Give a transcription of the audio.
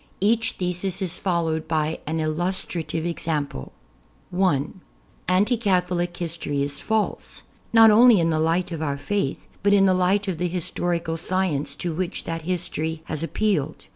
Each thesis is followed by an illustrative example : (1) Anti Catholic history is false, not only in the light of our Faith, but in the light of the historical science to which that history has appealed.